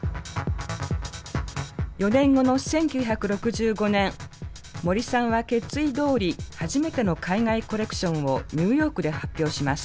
４年後の１９６５年森さんは決意どおり初めての海外コレクションをニューヨークで発表します。